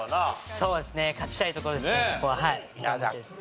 そうですね勝ちたいところですね